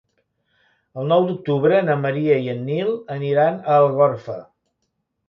El nou d'octubre na Maria i en Nil aniran a Algorfa.